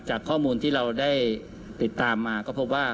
ข้อมูลที่เราได้ติดตามมาก็พบว่า